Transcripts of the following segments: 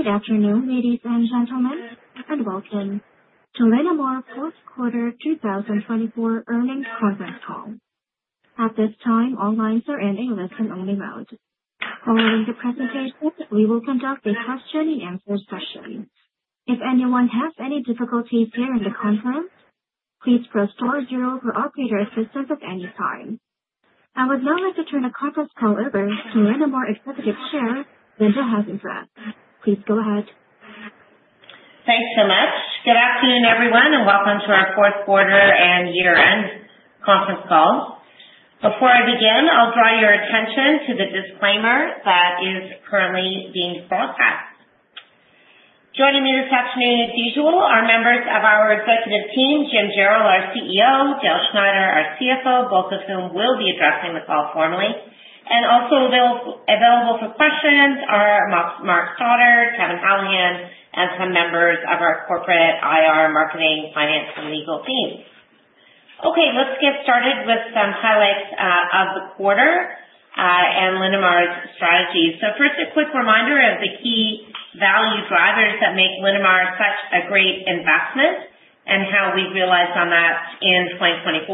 Good afternoon, ladies and gentlemen, and welcome to Linamar Q4 2024 Earnings Conference Call. At this time, all lines are in a listen-only mode. Following the presentation, we will conduct a question-and-answer session. If anyone has any difficulties during the conference, please press star-zero for operator assistance at any time. I would now like to turn the conference call over to Linamar Executive Chair, Linda Hasenfratz. Please go ahead. Thanks so much. Good afternoon, everyone, and welcome to our fourth quarter and year-end conference call. Before I begin, I'll draw your attention to the disclaimer that is currently being broadcast. Joining me this afternoon, as usual, are members of our executive team, Jim Jarrell, our CEO, Dale Schneider, our CFO, both of whom will be addressing the call formally, and also available for questions are Mark Stoddart, Kevin Allison, and some members of our corporate IR, marketing, finance, and legal teams. Okay, let's get started with some highlights of the quarter and Linamar's strategy. So first, a quick reminder of the key value drivers that make Linamar such a great investment and how we realized on that in 2024.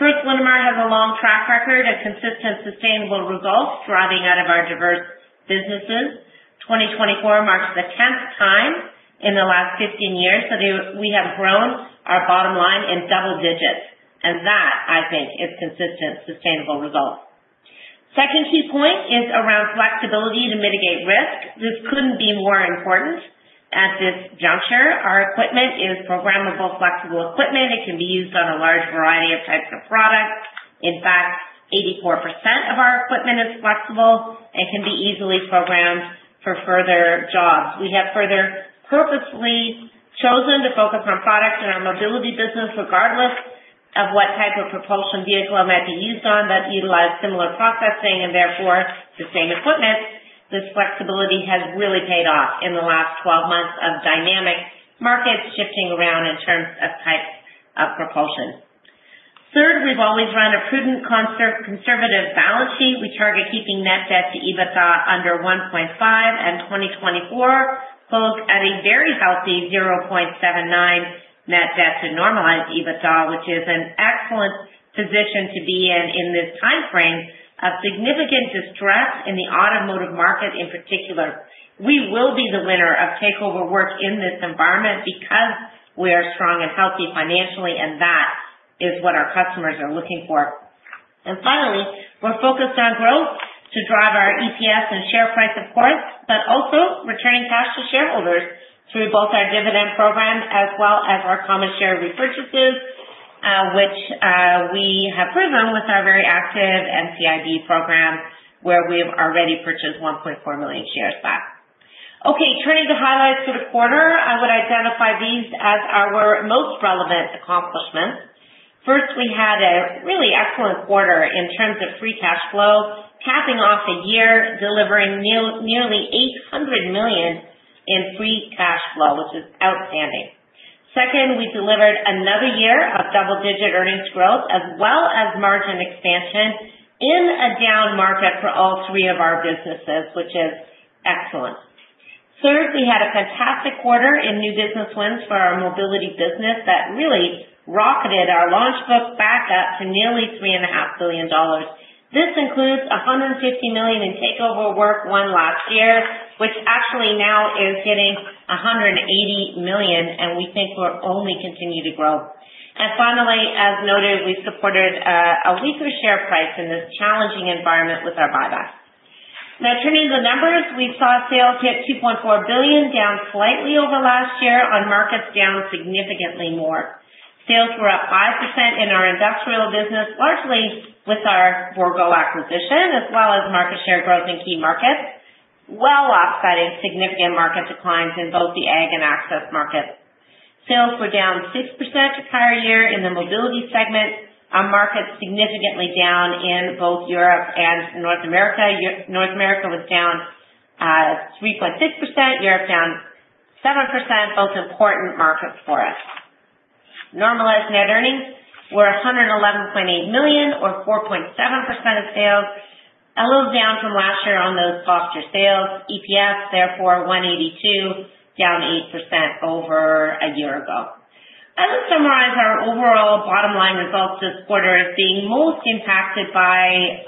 First, Linamar has a long track record of consistent, sustainable results driving out of our diverse businesses. 2024 marks the tenth time in the last 15 years that we have grown our bottom line in double digits, and that, I think, is consistent, sustainable results. Second key point is around flexibility to mitigate risk. This couldn't be more important at this juncture. Our equipment is programmable, flexible equipment. It can be used on a large variety of types of products. In fact, 84% of our equipment is flexible and can be easily programmed for further jobs. We have further purposefully chosen to focus on products in our mobility business, regardless of what type of propulsion vehicle it might be used on, that utilize similar processing and therefore the same equipment. This flexibility has really paid off in the last 12 months of dynamic markets shifting around in terms of types of propulsion. Third, we've always run a prudent conservative balance sheet. We target keeping net debt to EBITDA under 1.5, and 2024 closed at a very healthy 0.79 net debt to normalized EBITDA, which is an excellent position to be in, in this timeframe of significant distress in the automotive market in particular. We will be the winner of takeover work in this environment because we are strong and healthy financially, and that is what our customers are looking for. And finally, we're focused on growth to drive our EPS and share price, of course, but also returning cash to shareholders through both our dividend program as well as our common share repurchases, which, we have proven with our very active NCIB program, where we've already purchased 1.4 million shares back. Okay, turning to highlights for the quarter, I would identify these as our most relevant accomplishments. First, we had a really excellent quarter in terms of free cash flow, capping off the year, delivering nearly 800 million in free cash flow, which is outstanding. Second, we delivered another year of double-digit earnings growth as well as margin expansion in a down market for all three of our businesses, which is excellent. Third, we had a fantastic quarter in new business wins for our mobility business that really rocketed our launch book back up to nearly 3.5 billion dollars. This includes 150 million in takeover work won last year, which actually now is hitting 180 million, and we think will only continue to grow. And finally, as noted, we supported a weaker share price in this challenging environment with our buyback. Now, turning to the numbers, we saw sales hit 2.4 billion, down slightly over last year on markets down significantly more. Sales were up 5% in our industrial business, largely with our Bourgault acquisition, as well as market share growth in key markets, well offsetting significant market declines in both the ag and access markets. Sales were down 6% to prior year in the mobility segment, our markets significantly down in both Europe and North America. North America was down, three point six percent, Europe down 7%, both important markets for us. Normalized net earnings were 111.8 million, or 4.7% of sales, a little down from last year on those lower sales. EPS, therefore, 1.82, down 8% over a year ago. I would summarize our overall bottom line results this quarter as being most impacted by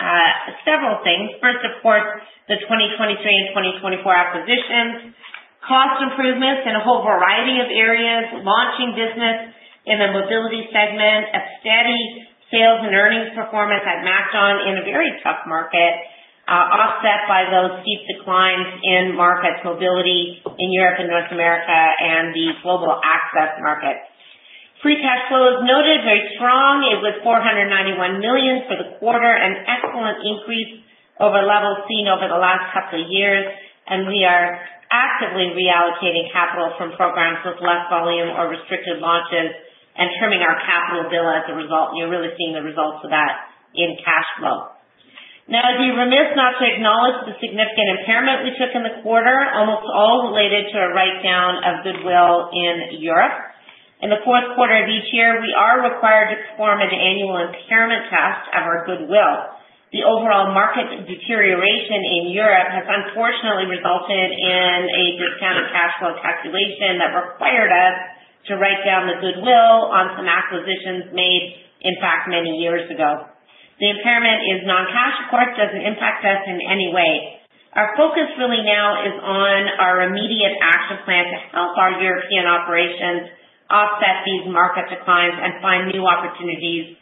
several things. First, of course, the 2023 and 2024 acquisitions, cost improvements in a whole variety of areas, launching business in the mobility segment, a steady sales and earnings performance at MacDon in a very tough market, offset by those steep declines in market mobility in Europe and North America and the global access market. Free cash flow is noted very strong. It was 491 million for the quarter, an excellent increase over levels seen over the last couple of years, and we are actively reallocating capital from programs with less volume or restricted launches and trimming our capital bill as a result. You're really seeing the results of that in cash flow. Now, I'd be remiss not to acknowledge the significant impairment we took in the quarter, almost all related to a write-down of goodwill in Europe. In the fourth quarter of each year, we are required to perform an annual impairment test of our goodwill. The overall market deterioration in Europe has unfortunately resulted in a discounted cash flow calculation that required us to write down the goodwill on some acquisitions made, in fact, many years ago. The impairment is non-cash, of course, doesn't impact us in any way. Our focus really now is on our immediate action plan to help our European operations offset these market declines and find new opportunities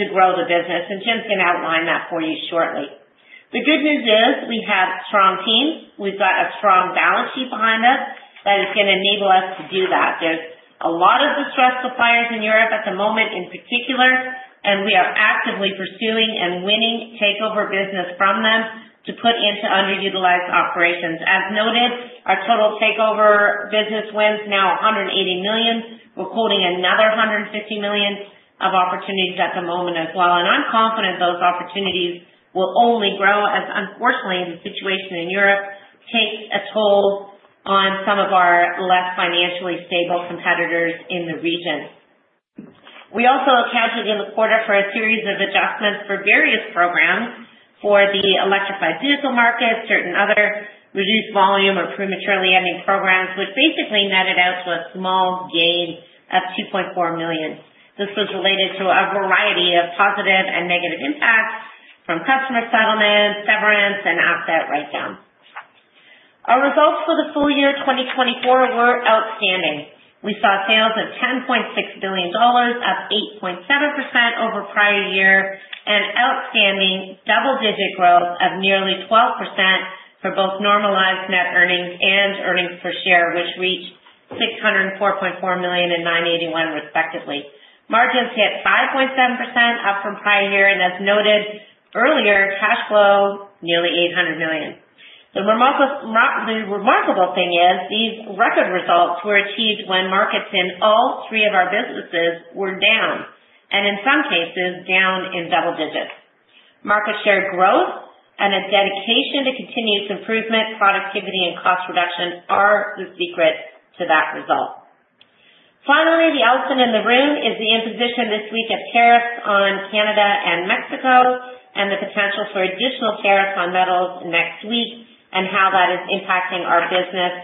to grow the business, and Jim's gonna outline that for you shortly. The good news is we have strong teams. We've got a strong balance sheet behind us that is gonna enable us to do that. There's a lot of distressed suppliers in Europe at the moment, in particular, and we are actively pursuing and winning takeover business from them to put into underutilized operations. As noted, our total takeover business wins now 180 million. We're quoting another 150 million of opportunities at the moment as well. And I'm confident those opportunities will only grow as, unfortunately, the situation in Europe takes a toll on some of our less financially stable competitors in the region. We also accounted in the quarter for a series of adjustments for various programs for the electrified vehicle market, certain other reduced volume or prematurely ending programs, which basically netted out to a small gain of 2.4 million. This was related to a variety of positive and negative impacts from customer settlements, severance, and asset write-down. Our results for the full year 2024 were outstanding. We saw sales of 10.6 billion dollars, up 8.7% over prior year, and outstanding double-digit growth of nearly 12% for both normalized net earnings and earnings per share, which reached 604.4 million and 9.81 respectively. Margins hit 5.7%, up from prior year, and as noted earlier, cash flow nearly 800 million. The remarkable thing is, these record results were achieved when markets in all three of our businesses were down, and in some cases, down in double digits. Market share growth and a dedication to continuous improvement, productivity, and cost reduction are the secret to that result. Finally, the elephant in the room is the imposition this week of tariffs on Canada and Mexico, and the potential for additional tariffs on metals next week, and how that is impacting our business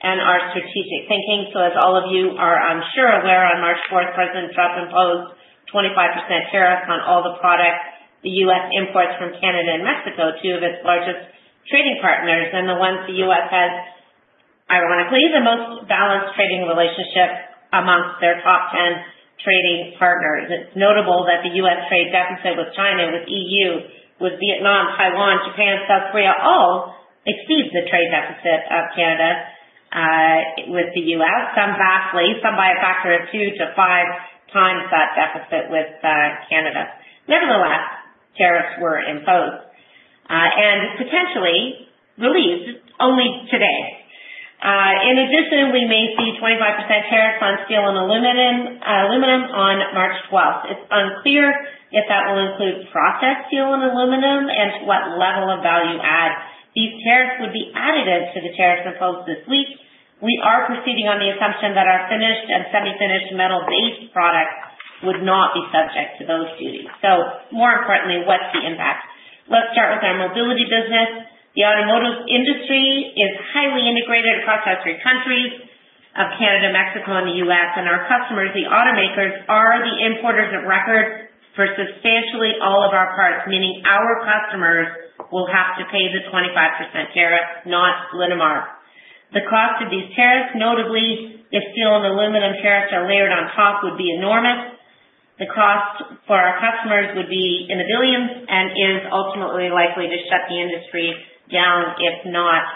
and our strategic thinking. So as all of you are, I'm sure, aware, on March fourth, President Trump imposed 25% tariff on all the products the U.S. imports from Canada and Mexico, two of its largest trading partners, and the ones the U.S. has, ironically, the most balanced trading relationship amongst their top ten trading partners. It's notable that the U.S. trade deficit with China, with E.U., with Vietnam, Taiwan, Japan, South Korea, all exceeds the trade deficit of Canada, with the U.S., some vastly, some by a factor of two to five times that deficit with, Canada. Nevertheless, tariffs were imposed, and potentially relieved only today. In addition, we may see 25% tariffs on steel and aluminum on March twelfth. It's unclear if that will include processed steel and aluminum and what level of value add. These tariffs would be additive to the tariffs proposed this week. We are proceeding on the assumption that our finished and semi-finished metal-based products would not be subject to those duties. So more importantly, what's the impact? Let's start with our mobility business. The automotive industry is highly integrated across our three countries of Canada, Mexico, and the U.S. And our customers, the automakers, are the importers of record for substantially all of our parts, meaning our customers will have to pay the 25% tariff, not Linamar. The cost of these tariffs, notably, if steel and aluminum tariffs are layered on top, would be enormous. The cost for our customers would be in the $ billions and is ultimately likely to shut the industry down, if not,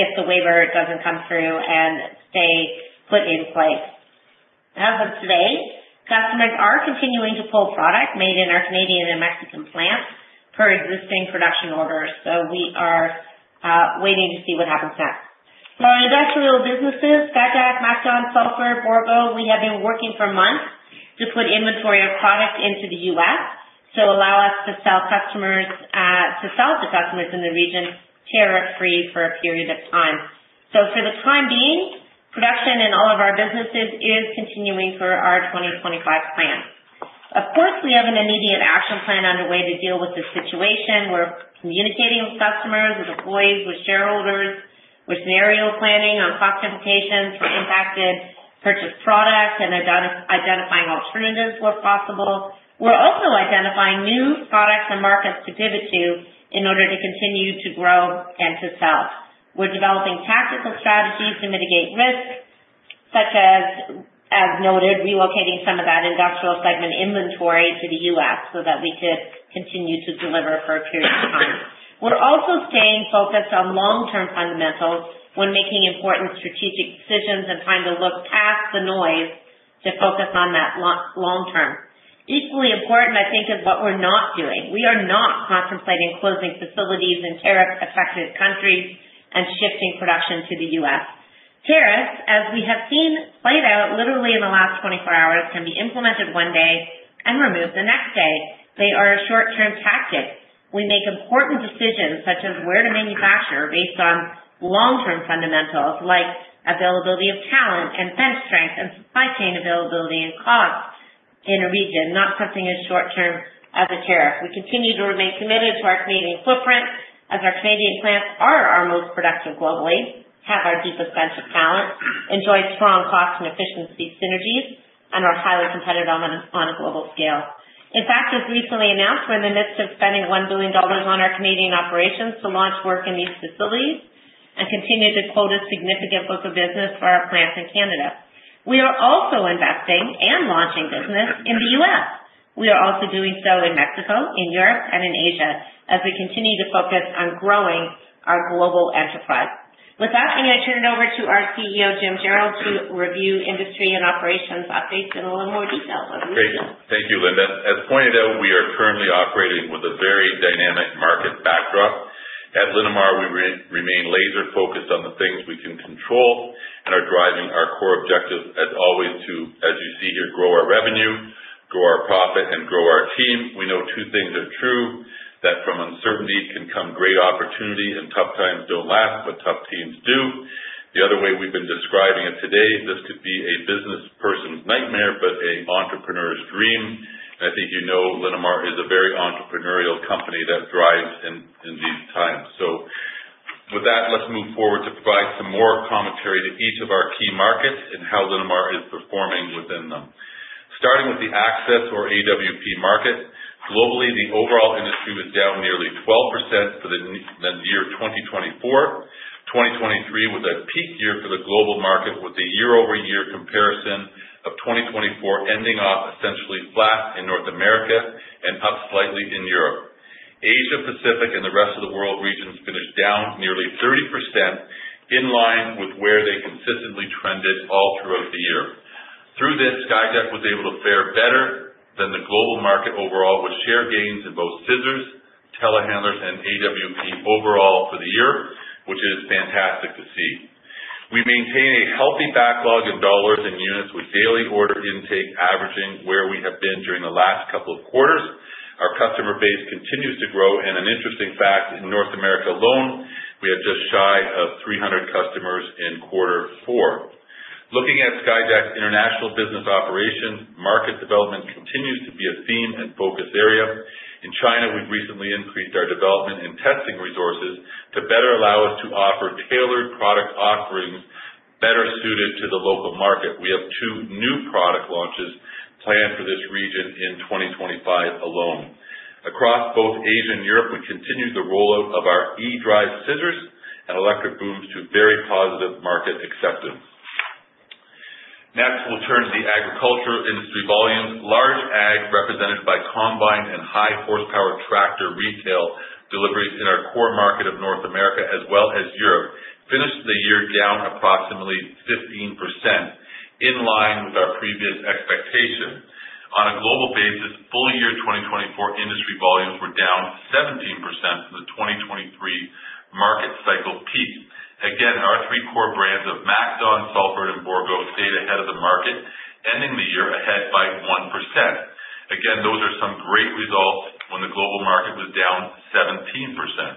if the waiver doesn't come through and stay put in place. As of today, customers are continuing to pull product made in our Canadian and Mexican plants per existing production orders. So we are waiting to see what happens next. For our industrial businesses, Skyjack, MacDon, Salford, Bourgault, we have been working for months to put inventory of product into the U.S. to allow us to sell customers, to sell to customers in the region tariff-free for a period of time. So for the time being, production in all of our businesses is continuing for our 2025 plan. Of course, we have an immediate action plan underway to deal with this situation. We're communicating with customers, with employees, with shareholders. We're scenario planning on cost implications for impacted purchased products and identifying alternatives where possible. We're also identifying new products and markets to pivot to in order to continue to grow and to sell. We're developing tactical strategies to mitigate risks, such as, as noted, relocating some of that industrial segment inventory to the U.S. so that we could continue to deliver for a period of time. We're also staying focused on long-term fundamentals when making important strategic decisions and trying to look past the noise to focus on that long term. Equally important, I think, is what we're not doing. We are not contemplating closing facilities in tariff-affected countries and shifting production to the U.S. Tariffs, as we have seen play out literally in the last 24 hours, can be implemented one day and removed the next day. They are a short-term tactic. We make important decisions, such as where to manufacture, based on long-term fundamentals, like availability of talent and bench strength and supply chain availability and cost in a region, not something as short term as a tariff. We continue to remain committed to our Canadian footprint, as our Canadian plants are our most productive globally, have our deepest bench of talent, enjoy strong cost and efficiency synergies, and are highly competitive on a global scale. In fact, as recently announced, we're in the midst of spending 1 billion dollars on our Canadian operations to launch work in these facilities and continue to quote a significant book of business for our plants in Canada. We are also investing and launching business in the U.S. We are also doing so in Mexico, in Europe, and in Asia, as we continue to focus on growing our global enterprise. With that, I'm going to turn it over to our CEO, Jim Jarrell, to review industry and operations updates in a little more detail. Over to you. Great. Thank you, Linda. As pointed out, we are currently operating with a very dynamic market backdrop. At Linamar, we remain laser focused on the things we can control and are driving our core objectives, as always, to, as you see here, grow our revenue, grow our profit, and grow our team. We know two things are true: that from uncertainty can come great opportunity, and tough times don't last, but tough teams do. The other way we've been describing it today, this could be a business person's nightmare, but an entrepreneur's dream. I think you know Linamar is a very entrepreneurial company that thrives in these times. So with that, let's move forward to provide some more commentary to each of our key markets and how Linamar is performing within them. Starting with the access or AWP market. Globally, the overall industry was down nearly 12% for the year 2024. 2023 was a peak year for the global market, with a year-over-year comparison of 2024 ending off essentially flat in North America and up slightly in Europe. Asia Pacific and the rest of the world regions finished down nearly 30%, in line with where they consistently trended all throughout the year. Through this, Skyjack was able to fare better than the global market overall, with share gains in both scissors, telehandlers, and AWP overall for the year, which is fantastic to see. We maintain a healthy backlog of dollars and units, with daily order intake averaging where we have been during the last couple of quarters. Our customer base continues to grow, and an interesting fact, in North America alone, we are just shy of 300 customers in quarter four. Looking at Skyjack's international business operations, market development continues to be a theme and focus area. In China, we've recently increased our development and testing resources to better allow us to offer tailored product offerings better suited to the local market. We have two new product launches planned for this region in 2025 alone. Across both Asia and Europe, we continued the rollout of our E-Drive scissors and electric booms to very positive market acceptance. Next, we'll turn to the agriculture industry volumes. Large ag, represented by combine and high horsepower tractor retail deliveries in our core market of North America, as well as Europe, finished the year down approximately 15%, in line with our previous expectations. On a global basis, full year 2024 industry volumes were down 17% from the 2023 market cycle peak. Again, our three core brands of MacDon, Salford, and Bourgault stayed ahead of the market, ending the year ahead by 1%. Again, those are some great results when the global market was down 17%.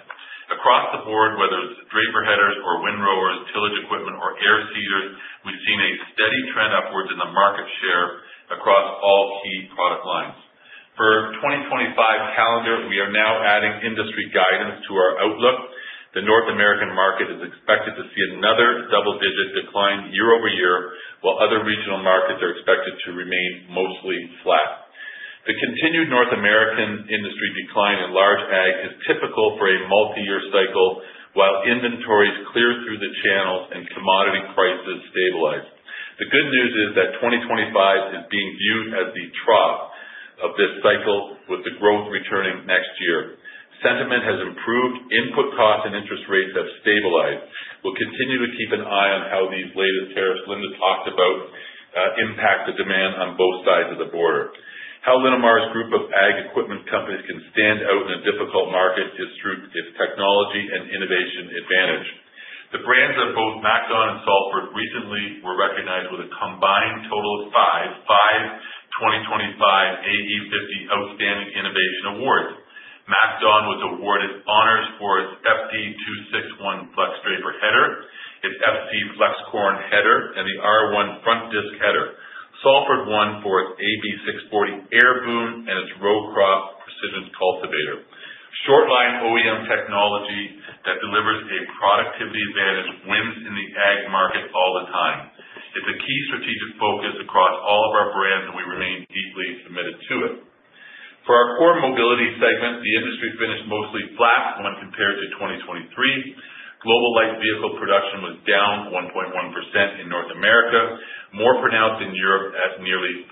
Across the board, whether it's draper headers or windrowers, tillage equipment or air seeders, we've seen a steady trend upwards in the market share across all key product lines. For 2025 calendar, we are now adding industry guidance to our outlook. The North American market is expected to see another double-digit decline year-over-year, while other regional markets are expected to remain mostly flat. The continued North American industry decline in large ag is typical for a multi-year cycle, while inventories clear through the channels and commodity prices stabilize. The good news is that 2025 is being viewed as the trough of this cycle, with the growth returning next year. Sentiment has improved, input costs and interest rates have stabilized. We'll continue to keep an eye on how these latest tariffs Linda talked about, impact the demand on both sides of the border. How Linamar's group of ag equipment companies can stand out in a difficult market is through its technology and innovation advantage. The brands of both MacDon and Salford recently were recognized with a combined total of five 2025 AE50 Outstanding Innovation Awards. MacDon was awarded honors for its FD261 FlexDraper header, its FC FlexCorn header, and the R1 Front Disc Header. Salford won for its AB640 Air Boom and its Row Crop Precision Cultivator. Short line OEM technology that delivers a productivity advantage wins in the ag market all the time. It's a key strategic focus across all of our brands, and we remain deeply committed to it. For our core mobility segment, the industry finished mostly flat when compared to 2023. Global light vehicle production was down 1.1% in North America, more pronounced in Europe at nearly 4%,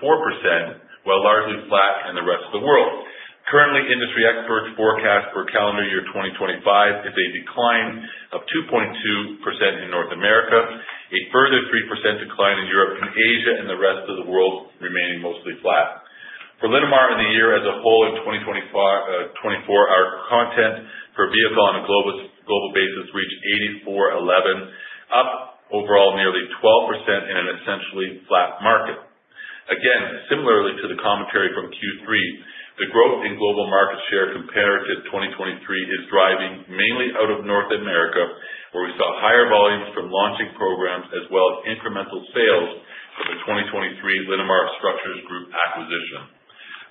while largely flat in the rest of the world. Currently, industry experts forecast for calendar year 2025 is a decline of 2.2% in North America, a further 3% decline in Europe and Asia, and the rest of the world remaining mostly flat. For Linamar, content per vehicle on a global basis reached $84.11, up overall nearly 12% in an essentially flat market. Again, similarly to the commentary from Q3, the growth in global market share compared to 2023 is driving mainly out of North America, where we saw higher volumes from launching programs as well as incremental sales for the 2023 Linamar Structures Group acquisition.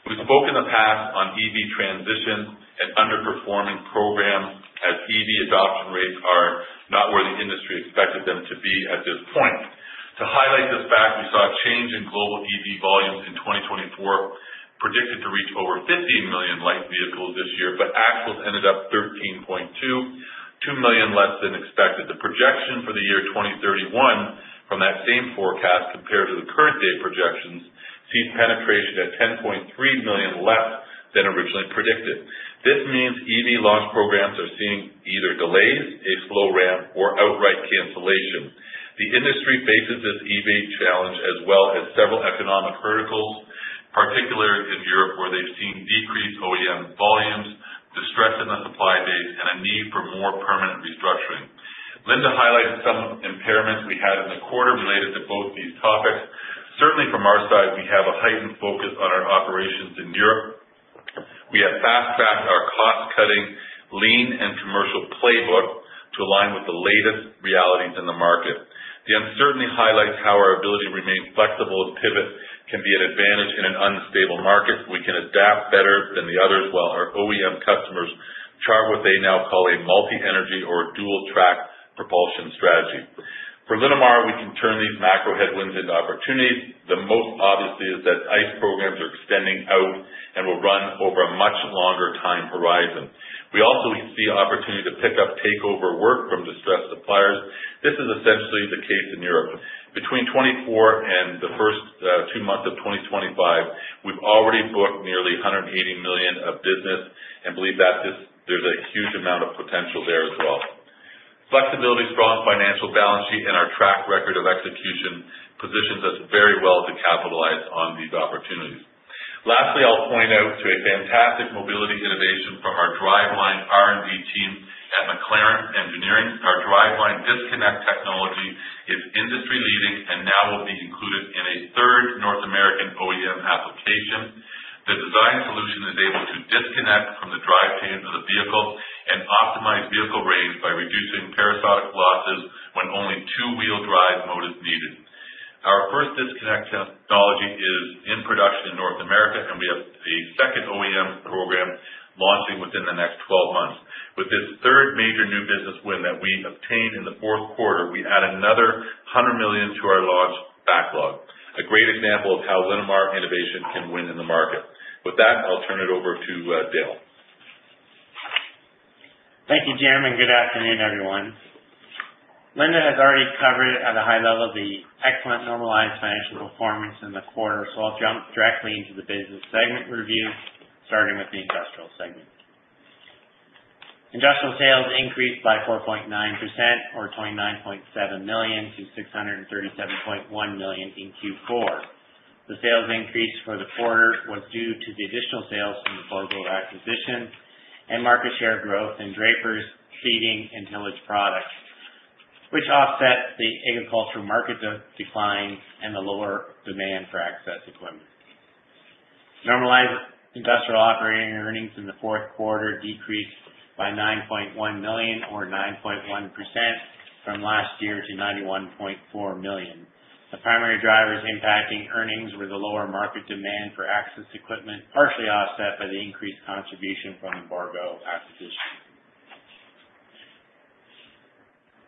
We've spoke in the past on EV transition and underperforming programs, as EV adoption rates are not where the industry expected them to be at this point. To highlight this fact, we saw a change in global EV volumes in 2024, predicted to reach over 15 million light vehicles this year, but actually ended up 13.22 million less than expected. The projection for the year 2031 from that same forecast compared to the current date projections, sees penetration at 10.3 million less than originally predicted. This means EV launch programs are seeing either delays, a slow ramp, or outright cancellation. The industry faces this EV challenge as well as several economic verticals, particularly in Europe, where they've seen decreased OEM volumes, distress in the supply base, and a need for more permanent restructuring. Linda highlighted some impairments we had in the quarter related to both these topics. Certainly from our side, we have a heightened focus on our operations in Europe. We have fast-tracked our cost-cutting lean and commercial playbook to align with the latest realities in the market. The uncertainty highlights how our ability to remain flexible as pivots can be an advantage in an unstable market. We can adapt better than the others, while our OEM customers chart what they now call a multi-energy or dual track propulsion strategy. For Linamar, we can turn these macro headwinds into opportunities. The most obviously is that ICE programs are extending out and will run over a much longer time horizon. We also see opportunity to pick up takeover work from distressed suppliers. This is essentially the case in Europe. Between 2024 and the first two months of 2025, we've already booked nearly 180 million of business and believe that there's a huge amount of potential there as well. Flexibility, strong financial balance sheet, and our track record of execution positions us very well to capitalize on these opportunities. Lastly, I'll point out to a fantastic mobility innovation from our driveline R&D team at McLaren Engineering. Our driveline disconnect technology is industry-leading and now will be included in a third North American OEM application. The design solution is able to disconnect from the drivetrain of the vehicle and optimize vehicle range by reducing parasitic losses when only two-wheel drive mode is needed. Our first disconnect technology is in production in North America, and we have a second OEM program launching within the next 12 months. With this third major new business win that we obtained in the fourth quarter, we add another 100 million to our launch backlog. A great example of how Linamar innovation can win in the market. With that, I'll turn it over to Dale. Thank you, Jim, and good afternoon, everyone. Linda has already covered at a high level the excellent normalized financial performance in the quarter, so I'll jump directly into the business segment review, starting with the industrial segment. Industrial sales increased by 4.9%, or 29.7 million to 637.1 million in Q4. The sales increase for the quarter was due to the additional sales from the Bourgault acquisition and market share growth in Draper's seeding and tillage products, which offset the agricultural market decline and the lower demand for access equipment. Normalized industrial operating earnings in the fourth quarter decreased by 9.1 million, or 9.1% from last year to 91.4 million. The primary drivers impacting earnings were the lower market demand for access equipment, partially offset by the increased contribution from the Bourgault acquisition.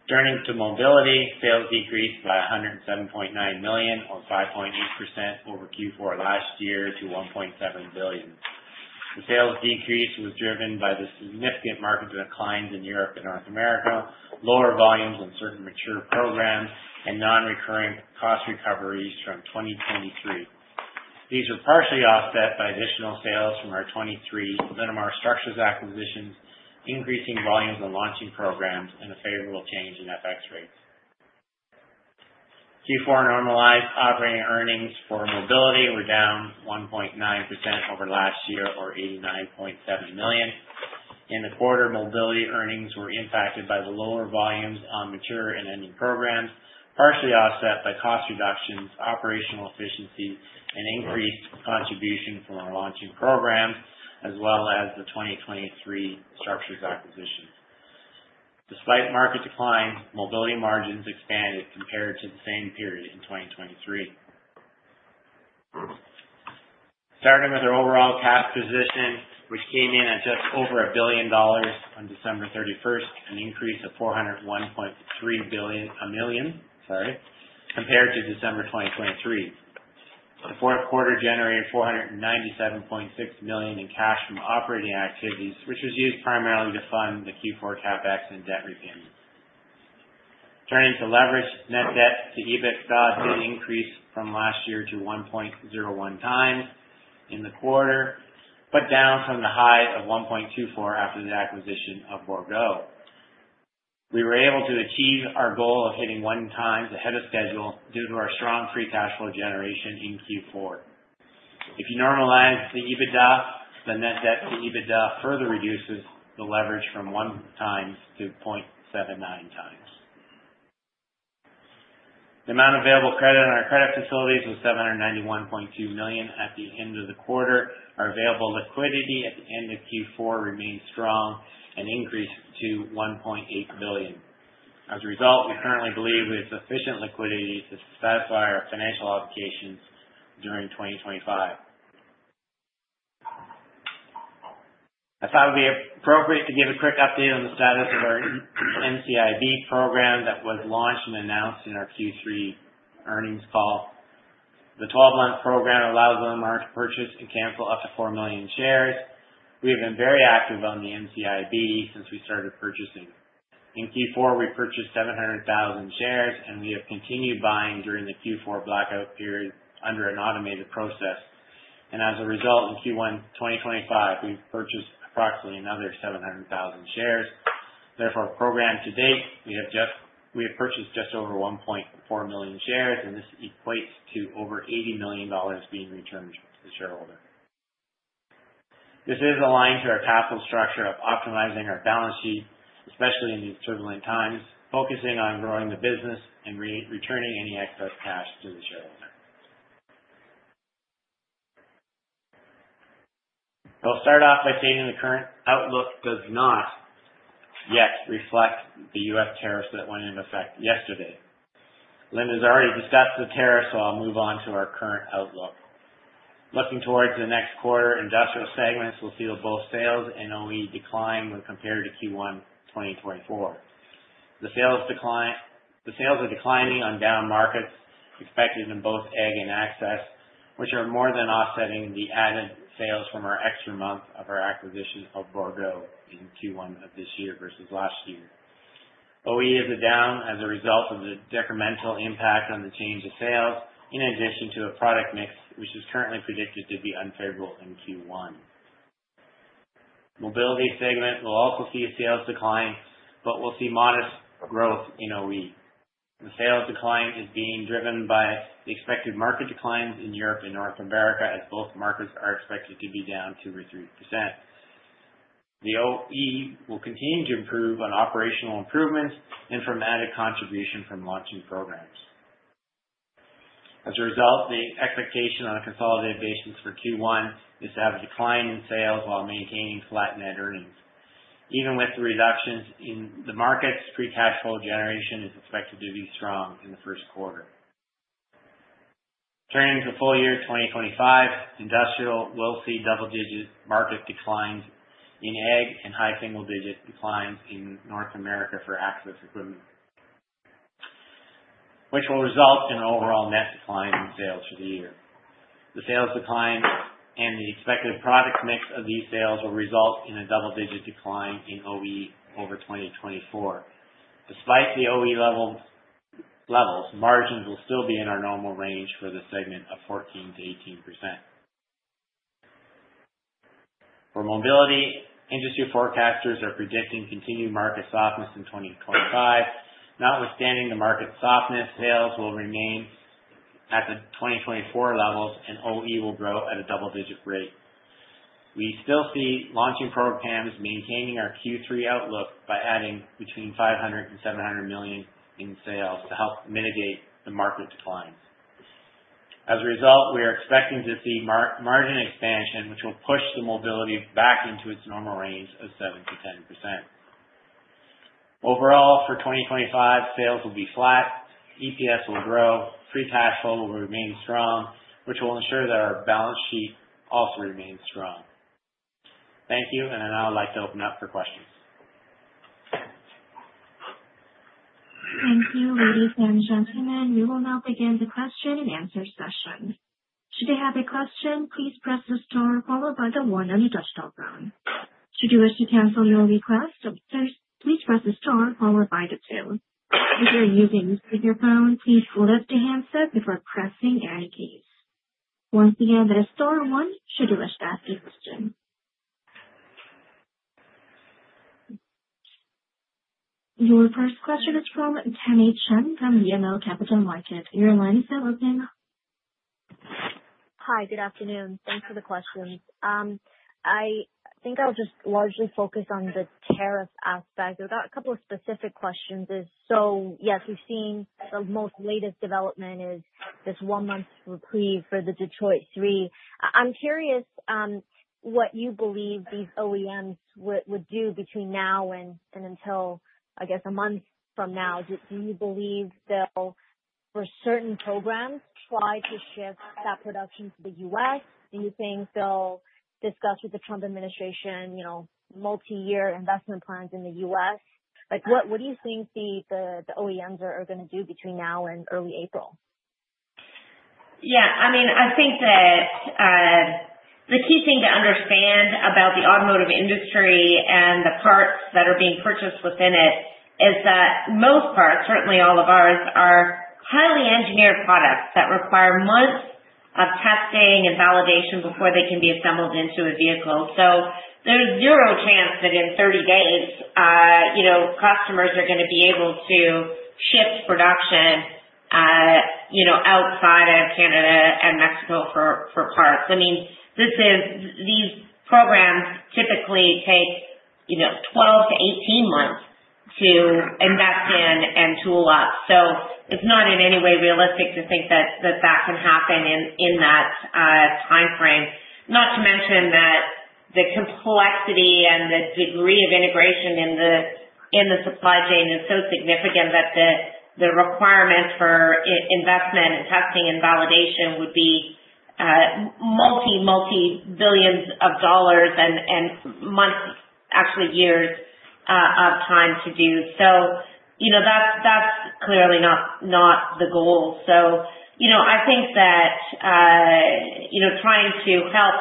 Turning to mobility, sales decreased by 107.9 million, or 5.8% over Q4 last year to 1.7 billion. The sales decrease was driven by the significant market declines in Europe and North America, lower volumes in certain mature programs, and non-recurring cost recoveries from 2023. These were partially offset by additional sales from our 2023 Linamar Structures acquisitions, increasing volumes and launching programs, and a favorable change in FX rates. Q4 normalized operating earnings for mobility were down 1.9% over last year or 89.7 million. In the quarter, mobility earnings were impacted by the lower volumes on mature and ending programs, partially offset by cost reductions, operational efficiency, and increased contribution from our launching programs, as well as the 2023 structures acquisition. Despite market declines, mobility margins expanded compared to the same period in 2023. Starting with our overall cash position, which came in at just over 1 billion dollars on December 31, an increase of 401.3 million, sorry, compared to December 2023. The fourth quarter generated 497.6 million in cash from operating activities, which was used primarily to fund the Q4 CapEx and debt repayments. Turning to leverage, net debt to EBITDA did increase from last year to 1.01x in the quarter, but down from the high of 1.24 after the acquisition of Bourgault.... We were able to achieve our goal of hitting 1x ahead of schedule due to our strong free cash flow generation in Q4. If you normalize the EBITDA, the net debt to EBITDA further reduces the leverage from 1x to 0.79x. The amount of available credit on our credit facilities was 791.2 million at the end of the quarter. Our available liquidity at the end of Q4 remains strong and increased to 1.8 billion. As a result, we currently believe we have sufficient liquidity to satisfy our financial obligations during 2025. I thought it would be appropriate to give a quick update on the status of our NCIB program that was launched and announced in our Q3 earnings call. The 12-month program allows Linamar to purchase and cancel up to 4 million shares. We have been very active on the NCIB since we started purchasing. In Q4, we purchased 700,000 shares, and we have continued buying during the Q4 blackout period under an automated process. As a result, in Q1 2025, we've purchased approximately another 700,000 shares. Therefore, our program to date, we have just purchased just over 1.4 million shares, and this equates to over 80 million dollars being returned to the shareholder. This is aligned to our capital structure of optimizing our balance sheet, especially in these turbulent times, focusing on growing the business and returning any excess cash to the shareholder. I'll start off by saying the current outlook does not yet reflect the U.S. tariffs that went into effect yesterday. Linda's already discussed the tariffs, so I'll move on to our current outlook. Looking towards the next quarter, industrial segments will see both sales and OE decline when compared to Q1 2024. The sales decline, the sales are declining on down markets expected in both ag and access, which are more than offsetting the added sales from our extra month of our acquisition of Bourgault in Q1 of this year versus last year. OE is down as a result of the decremental impact on the change of sales, in addition to a product mix, which is currently predicted to be unfavorable in Q1. Mobility segment will also see a sales decline, but we'll see modest growth in OE. The sales decline is being driven by the expected market declines in Europe and North America, as both markets are expected to be down 2% or 3%. The OE will continue to improve on operational improvements and from added contribution from launching programs. As a result, the expectation on a consolidated basis for Q1 is to have a decline in sales while maintaining flat net earnings. Even with the reductions in the markets, free cash flow generation is expected to be strong in the first quarter. Turning to full year 2025, industrial will see double-digit market declines in ag and high single-digit declines in North America for access equipment, which will result in an overall net decline in sales for the year. The sales decline and the expected product mix of these sales will result in a double-digit decline in OE over 2024. Despite the OE levels, margins will still be in our normal range for this segment of 14%-18%. For mobility, industry forecasters are predicting continued market softness in 2025. Notwithstanding the market softness, sales will remain at the 2024 levels and OEM will grow at a double-digit rate. We still see launching programs maintaining our Q3 outlook by adding between 500 million and 700 million in sales to help mitigate the market declines. As a result, we are expecting to see margin expansion, which will push the mobility back into its normal range of 7%-10%. Overall, for 2025, sales will be flat, EPS will grow, free cash flow will remain strong, which will ensure that our balance sheet also remains strong. Thank you, and now I'd like to open up for questions. Thank you, ladies and gentlemen. We will now begin the question and answer session. Should you have a question, please press star followed by the 1 on your touchtone phone. Should you wish to cancel your request, please press the star followed by the 2. If you are using a speakerphone, please lift the handset before pressing any keys. Once again, the star 1 should you wish to ask a question. Your first question is from Tammy Chen from BMO Capital Markets. Your line is now open. Hi, good afternoon. Thanks for the questions. I think I'll just largely focus on the tariff aspect. I've got a couple of specific questions. So yes, we've seen the most latest development is this one-month reprieve for the Detroit Three. I'm curious, what you believe these OEMs would do between now and until, I guess, a month from now. Do you believe they'll, for certain programs, try to shift that production to the U.S.? Do you think they'll discuss with the Trump administration, you know, multi-year investment plans in the U.S.? Like, what do you think the OEMs are gonna do between now and early April? Yeah, I mean, I think that, the key thing to understand about the automotive industry and the parts that are being purchased within it, is that most parts, certainly all of ours, are-... engineered products that require months of testing and validation before they can be assembled into a vehicle. So there's zero chance that in 30 days, you know, customers are gonna be able to shift production, you know, outside of Canada and Mexico for parts. I mean, this is these programs typically take, you know, 12-18 months to invest in and tool up. So it's not in any way realistic to think that that can happen in that timeframe. Not to mention that the complexity and the degree of integration in the supply chain is so significant that the requirements for investment and testing and validation would be $ multi-billions and months, actually years, of time to do so. You know, that's clearly not the goal. So, you know, I think that, you know, trying to help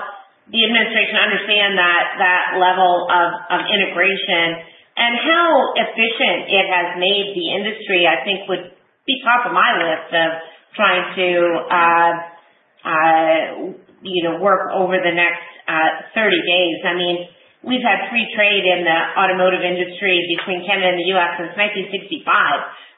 the administration understand that, that level of, of integration and how efficient it has made the industry, I think would be top of my list of trying to, you know, work over the next, 30 days. I mean, we've had free trade in the automotive industry between Canada and the U.S. since 1965.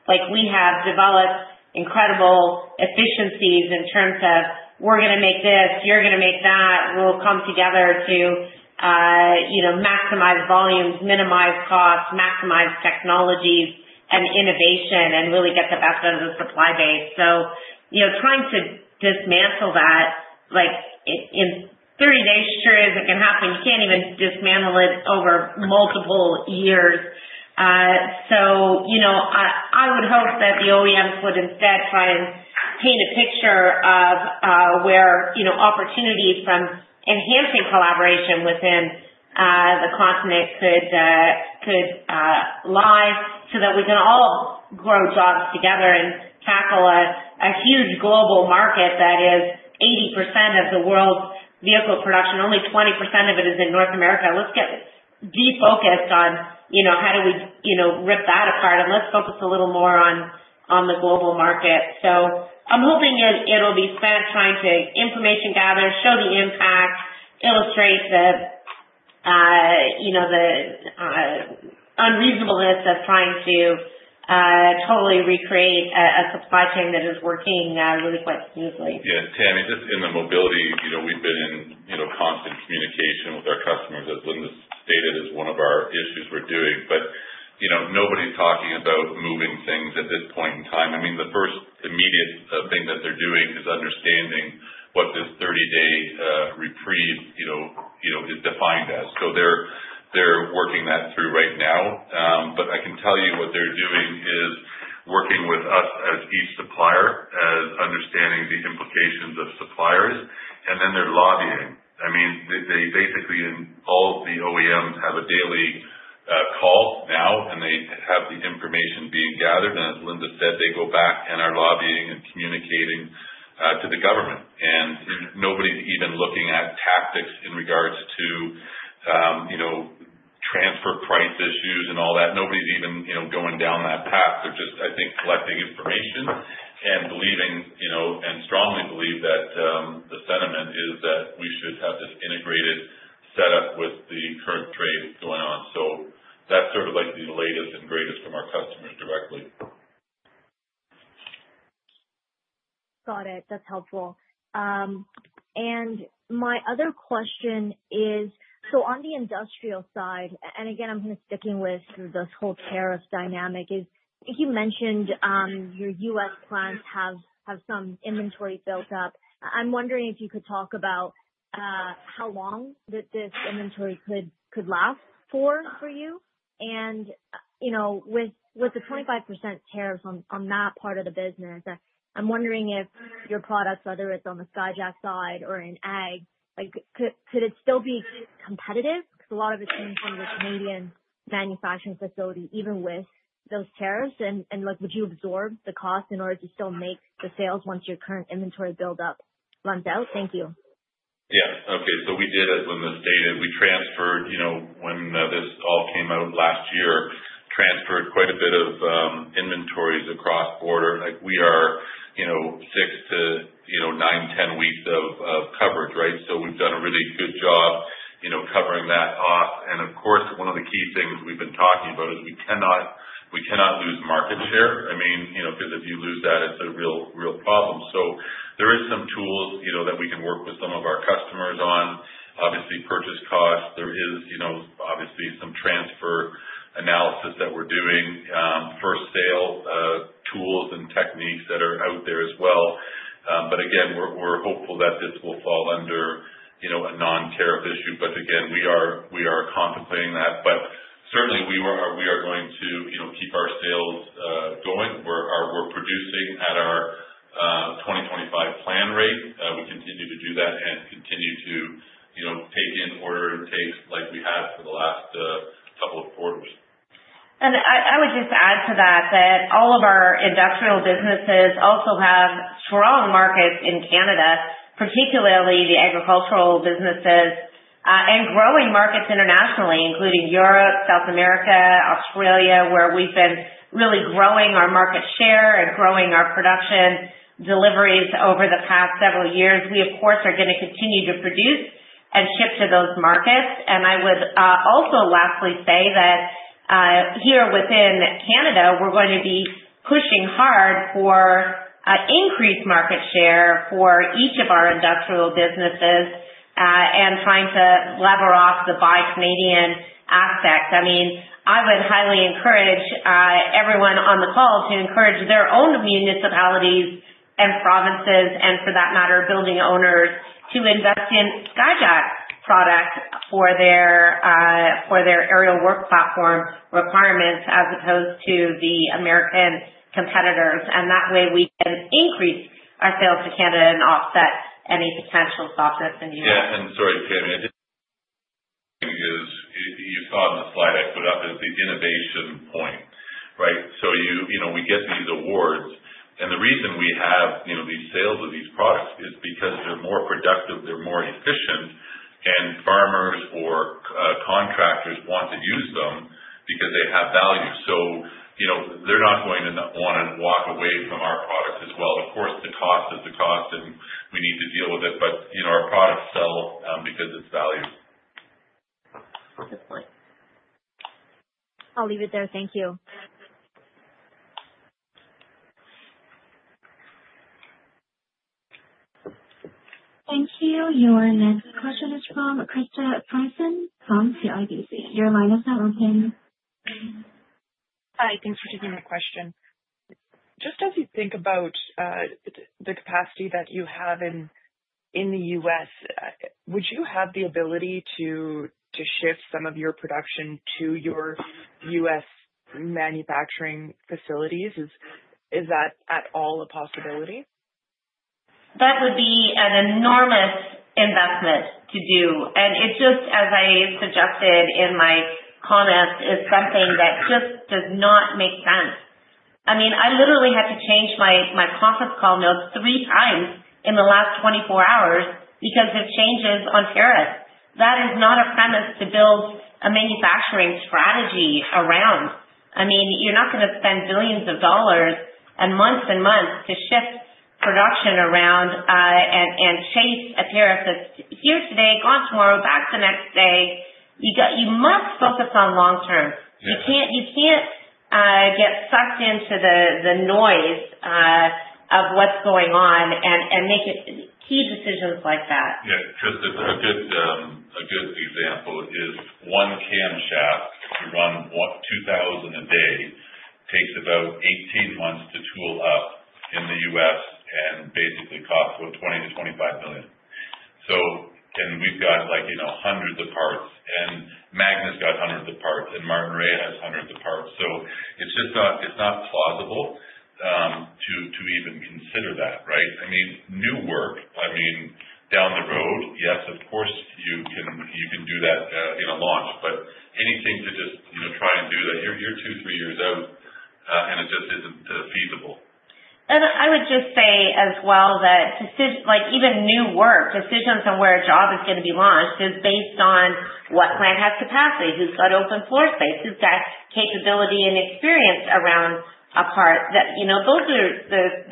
Like, we have developed incredible efficiencies in terms of we're gonna make this, you're gonna make that, we'll come together to, you know, maximize volumes, minimize costs, maximize technologies and innovation, and really get the best out of the supply base. So, you know, trying to dismantle that, like, in 30 days sure isn't gonna happen. You can't even dismantle it over multiple years. So, you know, I, I would hope that the OEMs would instead try and paint a picture of where, you know, opportunities from enhancing collaboration within the continent could lie, so that we can all grow jobs together and tackle a huge global market that is 80% of the world's vehicle production. Only 20% of it is in North America. Let's get defocused on, you know, how do we, you know, rip that apart? And let's focus a little more on the global market. So I'm hoping it'll be spent trying to gather information, show the impact, illustrate the, you know, the unreasonableness of trying to totally recreate a supply chain that is working really quite smoothly. Yeah, Tammy, just in the mobility, you know, we've been in, you know, constant communication with our customers, as Linda stated, as one of our issues we're doing. But, you know, nobody's talking about moving things at this point in time. I mean, the first immediate thing that they're doing is understanding what this 30-day reprieve, you know, you know, is defined as. So they're working that through right now. But I can tell you what they're doing is working with us as each supplier, as understanding the implications of suppliers, and then they're lobbying. I mean, they basically, in all of the OEMs, have a daily call now, and they have the information being gathered. And as Linda said, they go back and are lobbying and communicating to the government. And nobody's even looking at tactics in regards to, you know, transfer price issues and all that. Nobody's even, you know, going down that path. They're just, I think, collecting information and believing, you know, and strongly believe that, the sentiment is that we should have this integrated setup with the current trade going on. So that's sort of like the latest and greatest from our customers directly. Got it. That's helpful. And my other question is, so on the industrial side, and again, I'm kind of sticking with this whole tariff dynamic, as you mentioned, your U.S. plants have some inventory built up. I'm wondering if you could talk about how long this inventory could last for you? And you know, with the 25% tariffs on that part of the business, I'm wondering if your products, whether it's on the Skyjack side or in ag, like, could it still be competitive? Because a lot of it's coming from the Canadian manufacturing facility, even with those tariffs, and like, would you absorb the cost in order to still make the sales once your current inventory build-up runs out? Thank you. Yeah. Okay. So we did, as Linda stated, we transferred, you know, when this all came out last year, transferred quite a bit of inventories across border. Like, we are, you know, 6-10 weeks of coverage, right? So we've done a really good job, you know, covering that off. And of course, one of the key things we've been talking about is we cannot, we cannot lose market share. I mean, you know, because if you lose that, it's a real, real problem. So there is some tools, you know, that we can work with some of our customers on. Obviously, purchase costs. There is, you know, obviously, some transfer analysis that we're doing, first sale tools and techniques that are out there as well. But again, we're hopeful that this will fall under, you know, a non-tariff issue. But again, we are contemplating that. But certainly we are going to, you know, keep our sales going. We're producing at our 2025 plan rate. We continue to do that and continue to, you know, take in order takes like we have for the last couple of quarters. And I would just add to that, that all of our industrial businesses also have strong markets in Canada, particularly the agricultural businesses. And growing markets internationally, including Europe, South America, Australia, where we've been really growing our market share and growing our production deliveries over the past several years. We, of course, are gonna continue to produce and ship to those markets. And I would also lastly say that here within Canada, we're going to be pushing hard for increased market share for each of our industrial businesses, and trying to lever off the Buy Canadian aspect. I mean, I would highly encourage everyone on the call to encourage their own municipalities and provinces, and for that matter, building owners, to invest in Skyjack products for their aerial work platform requirements, as opposed to the American competitors. That way, we can increase our sales to Canada and offset any potential softness in the US. Yeah, and sorry, Jamie. You saw on the slide I put up. It's the innovation point, right? So you know, we get these awards, and the reason we have, you know, these sales of these products is because they're more productive, they're more efficient, and farmers or contractors want to use them because they have value. So, you know, they're not going to want to walk away from our products as well. Of course, the cost is the cost, and we need to deal with it, but, you know, our products sell because it's value. I'll leave it there. Thank you. Thank you. Your next question is from Krista Friesen, from CIBC. Your line is now open. Hi, thanks for taking my question. Just as you think about the capacity that you have in the U.S., would you have the ability to shift some of your production to your U.S. manufacturing facilities? Is that at all a possibility? That would be an enormous investment to do, and it's just, as I suggested in my comments, something that just does not make sense. I mean, I literally had to change my conference call notes three times in the last 24 hours because of changes on tariffs. That is not a premise to build a manufacturing strategy around. I mean, you're not gonna spend $ billions and months and months to shift production around, and chase a tariff that's here today, gone tomorrow, back the next day. You must focus on long term. Yeah. You can't get sucked into the noise of what's going on and make key decisions like that. Yeah. Just a good, a good example is one camshaft to run 2,000 a day, takes about 18 months to tool up in the U.S. and basically cost, what? $20-25 million. So... And we've got, like, you know, hundreds of parts, and Magna's got hundreds of parts, and Martinrea has hundreds of parts. So it's just not, it's not plausible, to, to even consider that, right? I mean, new work, I mean, down the road, yes, of course, you can, you can do that, in a launch. But anything to just, you know, try and do that, you're, you're 2-3 years out, and it just isn't, feasible. And I would just say as well, that decisions—like, even new work, decisions on where a job is gonna be launched—is based on what plant has capacity, who's got open floor space, who's got capability and experience around a part that, you know, those are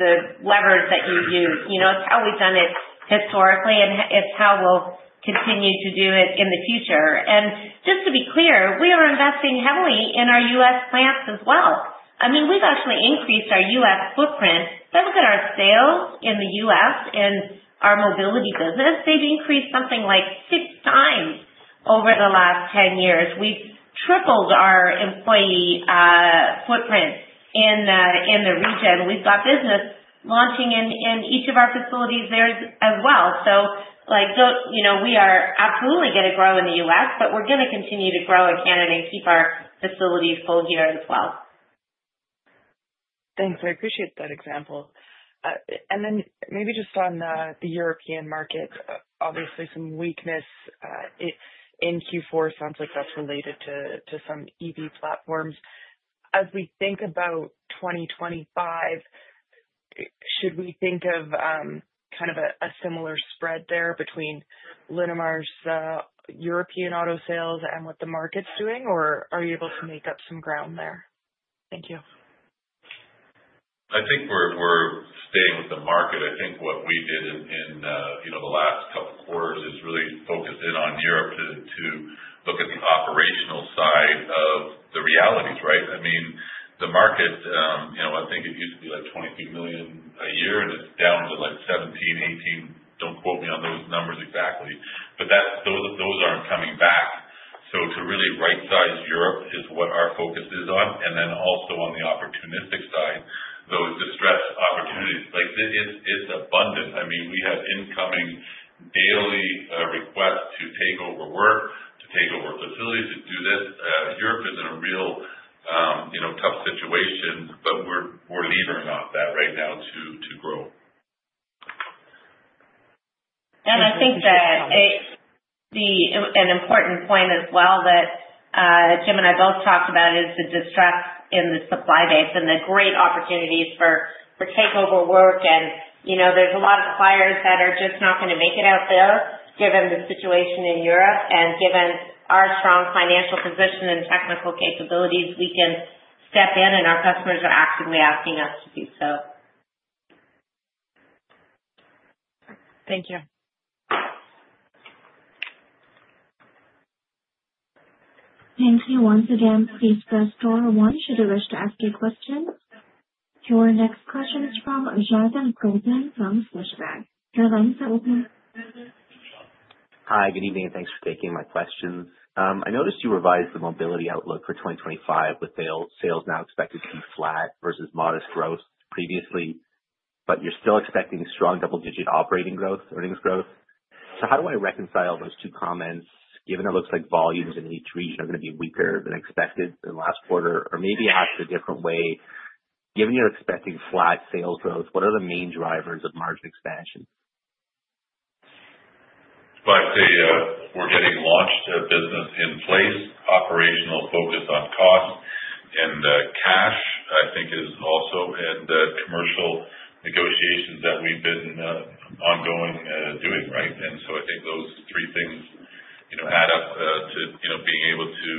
the levers that you use. You know, it's how we've done it historically, and it's how we'll continue to do it in the future. And just to be clear, we are investing heavily in our U.S. plants as well. I mean, we've actually increased our U.S. footprint. Look at our sales in the U.S. and our mobility business. They've increased something like six times over the last 10 years. We've tripled our employee footprint in the region. We've got business launching in each of our facilities there as well. Like, you know, we are absolutely gonna grow in the U.S., but we're gonna continue to grow in Canada and keep our facilities full here as well. Thanks, I appreciate that example. And then maybe just on the European market, obviously some weakness in Q4. Sounds like that's related to some EV platforms. As we think about 2025, should we think of kind of a similar spread there between Linamar's European auto sales and what the market's doing, or are you able to make up some ground there? Thank you. I think we're staying with the market. I think what we did in you know, the last couple of quarters is really focus in on Europe to look at the operational side of the realities, right? I mean, the market, you know, I think it used to be like 23 million a year, and it's down to like 17-18. Don't quote me on those numbers exactly, but that's, those aren't coming back. So to really rightsize Europe is what our focus is on, and then also on the opportunistic side, those distressed opportunities, like, it's abundant. I mean, we have incoming daily requests to take over work, to take over facilities, to do this. Europe is in a real you know, tough situation, but we're levering off that right now to grow. I think that it's an important point as well, that Jim and I both talked about is the distress in the supply base and the great opportunities for takeover work. You know, there's a lot of suppliers that are just not gonna make it out there, given the situation in Europe, and given our strong financial position and technical capabilities, we can step in, and our customers are actively asking us to do so. Thank you. Thank you. Once again, please press star one should you wish to ask your question. Your next question is from Jonathan Goldman from Scotiabank. Your line is open. Hi, good evening, and thanks for taking my questions. I noticed you revised the mobility outlook for 2025, with sale, sales now expected to be flat versus modest growth previously, but you're still expecting strong double-digit operating growth, earnings growth. So how do I reconcile those two comments, given it looks like volumes in each region are gonna be weaker than expected in the last quarter? Or maybe asked a different way, given you're expecting flat sales growth, what are the main drivers of margin expansion? But I'd say, we're getting launched a business in place, operational focus on cost, and, cash, I think, is also in the commercial negotiations that we've been, ongoing, doing, right? And so I think those three things, you know, add up, to, you know, being able to,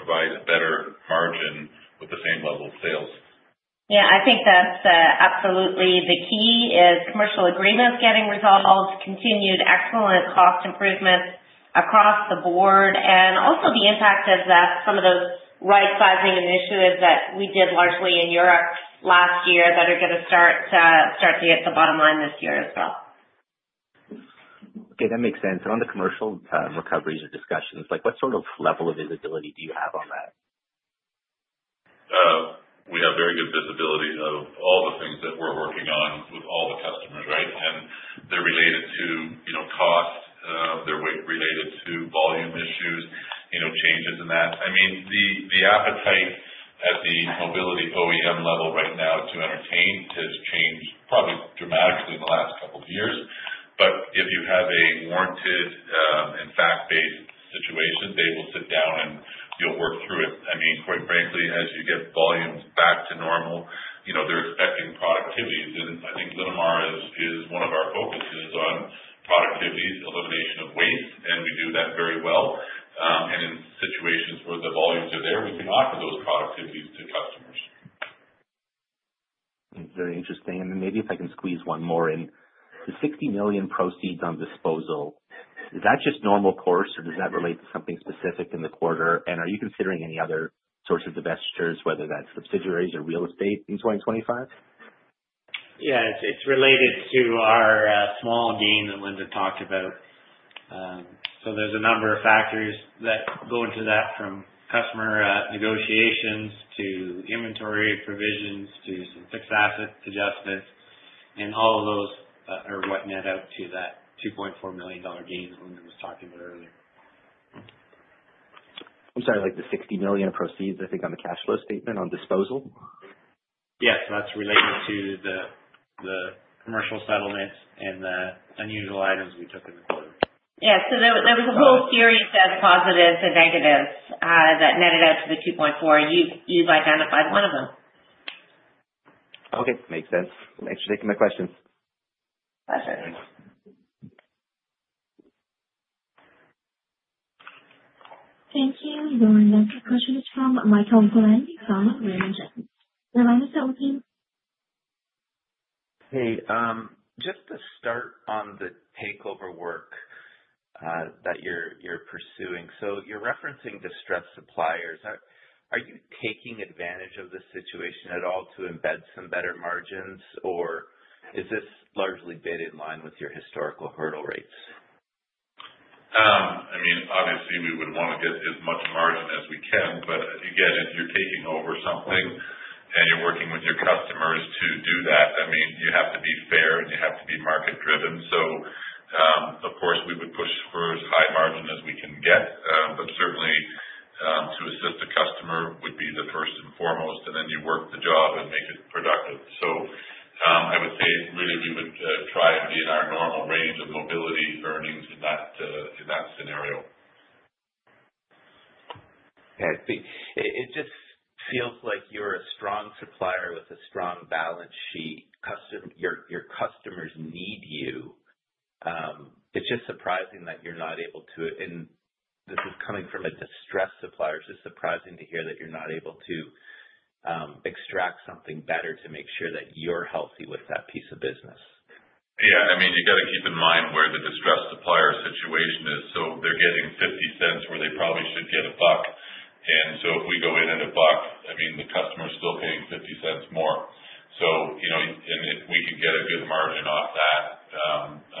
provide a better margin with the same level of sales. Yeah, I think that's absolutely the key is commercial agreements getting resolved, continued excellent cost improvements across the board, and also the impact of that, some of those right-sizing initiatives that we did largely in Europe last year that are gonna start to hit the bottom line this year as well. Okay, that makes sense. On the commercial, recoveries or discussions, like what sort of level of visibility do you have on that? We have very good visibility of all the things that we're working on with all the customers, right? And they're related to, you know, cost, they're weight related to volume issues, you know, changes in that. I mean, the appetite at the mobility OEM level right now to entertain has changed probably dramatically in the last couple of years. But if you have a warranted and fact-based situation, they will sit down and you'll work through it. I mean, quite frankly, as you get volumes back to normal, you know, they're expecting productivities. And I think Linamar is one of our focuses on productivities, elimination of waste, and we do that very well. And in situations where the volumes are there, we can offer those productivities to customers. Very interesting. Then maybe if I can squeeze one more in. The 60 million proceeds on disposal, is that just normal course, or does that relate to something specific in the quarter? And are you considering any other sources of divestitures, whether that's subsidiaries or real estate in 2025? Yeah, it's related to our small gain that Linda talked about. So there's a number of factors that go into that, from customer negotiations, to inventory provisions, to some fixed asset adjustments, and all of those are what net out to that 2.4 million dollar gain Linda was talking about earlier. I'm sorry, like the 60 million proceeds, I think, on the cash flow statement on disposal? Yes, that's related to the commercial settlements and the unusual items we took in the quarter. Yeah. So there, there was a whole series of positives and negatives that netted out to the 2.4. You, you've identified one of them. Okay, makes sense. Thanks for taking my questions. My pleasure. Thank you. Your next question is from Michael Glen, from Raymond James. Your line is open. Hey, just to start on the takeover work that you're pursuing. So you're referencing distressed suppliers. Are you taking advantage of this situation at all to embed some better margins, or is this largely bid in line with your historical hurdle rates? I mean, obviously, we would want to get as much margin as we can, but again, if you're taking over something and you're working with your customers to do that, I mean, you have to be fair, and you have to be market driven. So, of course, we would push for as high margin as we can get. But certainly, to assist the customer would be the first and foremost, and then you work the job and make it productive. So, I would say really we would try and be in our normal range of mobility earnings in that, in that scenario. Yeah, I think it just feels like you're a strong supplier with a strong balance sheet. Your customers need you. It's just surprising that you're not able to... And this is coming from a distressed supplier. It's just surprising to hear that you're not able to extract something better to make sure that you're healthy with that piece of business. Yeah, I mean, you got to keep in mind where the distressed supplier situation is. So they're getting $0.50, where they probably should get $1. And so if we go in at $1, I mean, the customer is still paying $0.50 more. So, you know, and if we can get a good margin off that,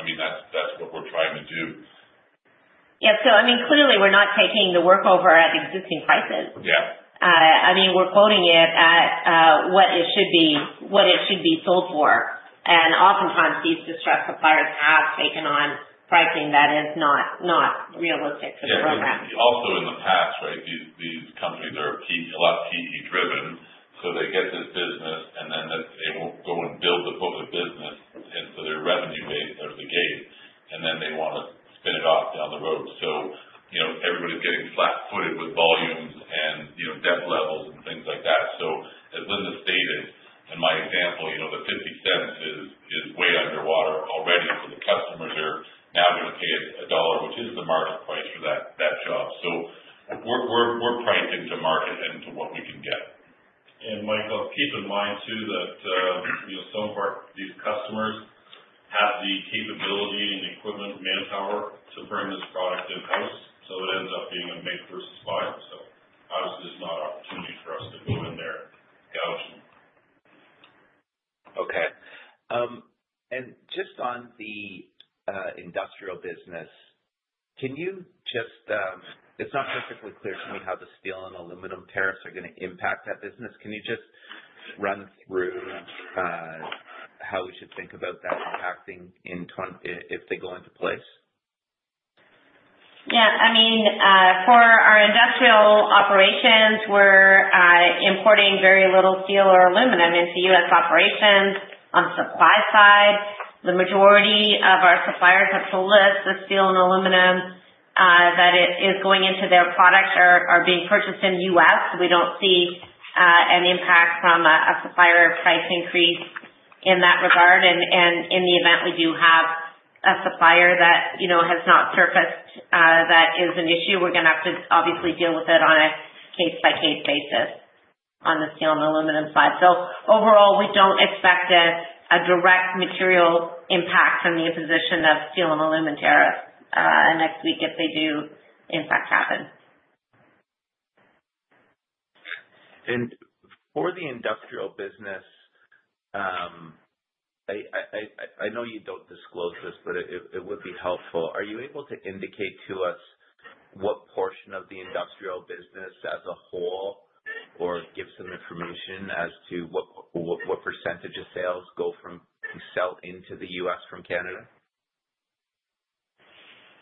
I mean, that's, that's what we're trying to do. Yeah. So I mean, clearly we're not taking the work over at existing prices. Yeah. I mean, we're quoting it at what it should be, what it should be sold for. Oftentimes, these distressed suppliers have taken on pricing that is not, not realistic for the program. Also, in the past, right, you, you've a lot of PE driven, so they get this business and then they won't go and build the public business. And so their revenue base is the gate, and then they want to spin it off down the road. So, you know, everybody's getting flat-footed with volumes and, you know, debt levels and things like that. So as Linda stated, in my example, you know, the $0.50 is way underwater already, so the customers are now going to pay $1, which is the market price for that, that job. So we're, we're, we're pricing to market and to what we can get. And Michael, keep in mind too, that, you know, some of our, these customers have the capability and equipment and manpower to bring this product in-house, so it ends up being a make versus buy. Obviously, it's not an opportunity for us to go in there and gouge. Okay. And just on the industrial business, can you just, it's not particularly clear to me how the steel and aluminum tariffs are going to impact that business. Can you just run through how we should think about that impacting if, if they go into place? Yeah, I mean, for our industrial operations, we're importing very little steel or aluminum into U.S. operations. On the supply side, the majority of our suppliers have to list the steel and aluminum that is going into their products are being purchased in the U.S. We don't see any impact from a supplier price increase in that regard. And in the event we do have a supplier that, you know, has not surfaced that is an issue, we're gonna have to obviously deal with it on a case-by-case basis on the steel and aluminum side. So overall, we don't expect a direct material impact from the imposition of steel and aluminum tariffs next week, if they do in fact happen. For the industrial business, I know you don't disclose this, but it would be helpful. Are you able to indicate to us what portion of the industrial business as a whole, or give some information as to what percentage of sales go from sales into the U.S. from Canada?